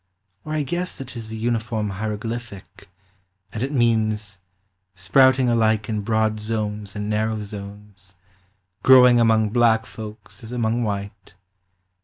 Or I guess it is a uniform hieroglyphic, And it means, Sprouting alike in broad zones and narrow zones, Growing among black folks as among white.